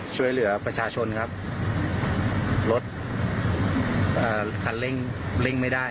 ช่วยเหลือประชาชนครับรถคันเร่งเร่งไม่ได้